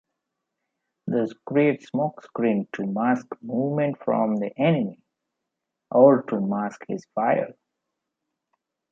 These create smokescreens to mask movement from the enemy, or to mask his fire.